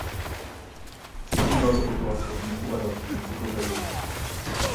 Přispíval do Ottova slovníku a dalších encyklopedií.